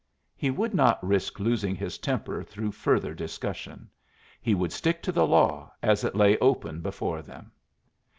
He would not risk losing his temper through further discussion. He would stick to the law as it lay open before them.